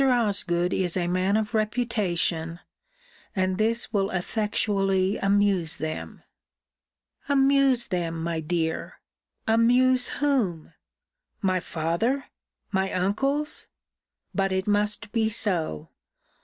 Osgood is a man of reputation: and this will effectually amuse them. Amuse them, my dear! Amuse whom? My father! my uncles! But it must be so!